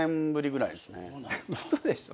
嘘でしょ